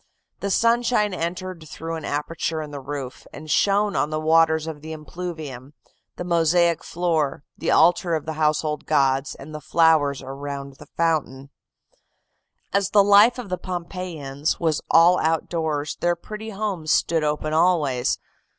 The sunshine entered through an aperture in the roof, and shone on the waters of the impluvium, the mosaic floor, the altar of the household gods and the flowers around the fountain. "As the life of the Pompeiians was all outdoors, their pretty homes stood open always.